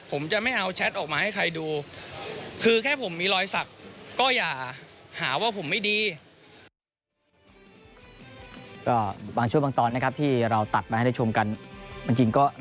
ผมจะไม่เอาแชทออกมาให้ใครดู